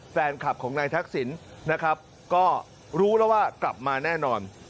แฟนคลับของนายทักษิณนะครับก็รู้แล้วว่ากลับมาแน่นอน